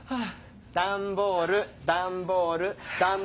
段ボール段ボール段ボ。